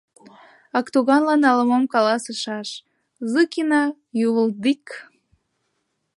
Актуганлан ала-мом каласышаш — Зыкина «ювылдик»...